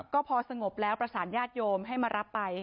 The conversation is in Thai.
ก็พอสงบแล้วประสานญาติโยมให้มารับไป